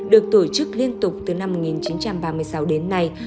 được tổ chức liên tục từ năm một nghìn chín trăm ba mươi sáu đến nay